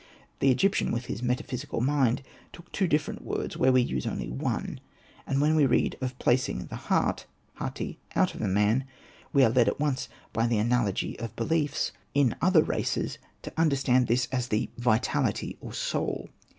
The Egyptian, with his meta physical mind, took two different words where we only use one ; and when we read of placing the heart {Jiati) out of a man, we are led at once by the analogy of beliefs in Hosted by Google REMARKS 77 other races to understand this as the vitality or soul.